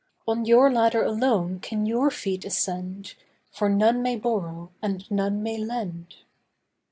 On your ladder alone can your feet ascend, For none may borrow, and none may lend.